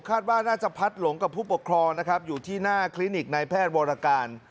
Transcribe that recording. ว่าน่าจะพัดหลงกับผู้ปกครองนะครับอยู่ที่หน้าคลินิกนายแพทย์วรการ